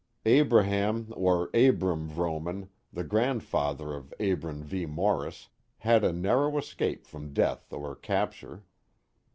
Abraham or Abram Vrooman, the grandfatlier of Abram V. Morris, had a narrow escape from death or capture.